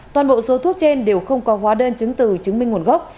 toàn bộ số thuốc trên đều không có hóa đơn chứng từ chứng minh nguồn gốc